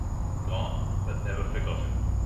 Gone but Never Forgotten.